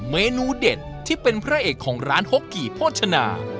เมนูเด็ดที่เป็นพระเอกของร้านโฮกกี่โภชนา